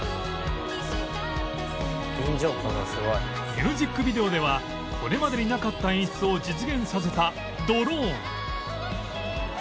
ミュージックビデオではこれまでになかった演出を実現させたドローン